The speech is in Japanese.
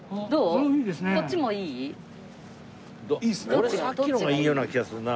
俺さっきの方がいいような気がするな。